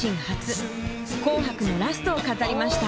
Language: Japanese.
「紅白」のラストを飾りました。